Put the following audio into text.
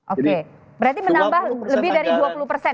oke berarti menambah lebih dari dua puluh persen